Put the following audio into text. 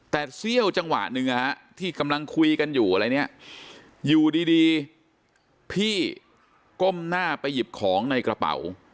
แต่เสี้ยวจังหวะหนึ่งที่กำลังคุยกันอยู่อะไรเนี่ยอยู่ดีพี่ก้มหน้าไปหยิบของในกระเป๋า